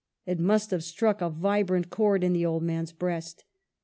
It must have struck a vibrant chord in the old man's breast.